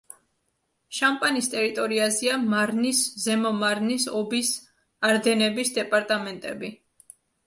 შამპანის ტერიტორიაზეა მარნის, ზემო მარნის, ობის, არდენების, დეპარტამენტები.